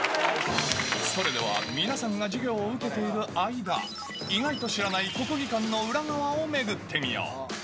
それでは皆さんが授業を受けている間、意外と知らない国技館の裏側を巡ってみよう。